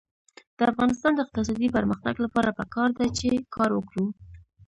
د افغانستان د اقتصادي پرمختګ لپاره پکار ده چې کار وکړو.